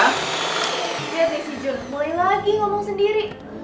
lihat deh si jun mulai lagi ngomong sendiri